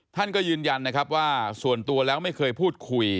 ท่านก็ยืนยันนะครับว่าส่วนตัวแล้วไม่เคยพูดคุย